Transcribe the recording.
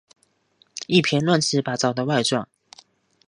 一篇乱七八糟的外传